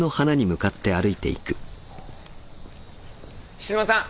菱沼さん